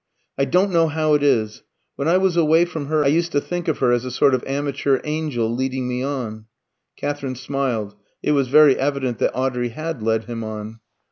"I don't know how it is. When I was away from her, I used to think of her as a sort of amateur angel leading me on." (Katherine smiled; it was very evident that Audrey had "led him on.")